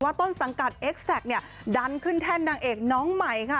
ต้นสังกัดเอ็กแซคเนี่ยดันขึ้นแท่นนางเอกน้องใหม่ค่ะ